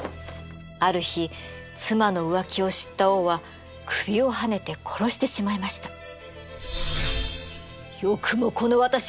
ある日妻の浮気を知った王は首をはねて殺してしまいました。